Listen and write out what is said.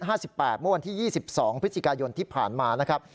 เมื่อวันที่๒๒พฤศจิกายนที่ผ่านมานะครับ